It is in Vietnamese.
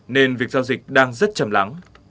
nên việc giao dịch đang rất chầm lắng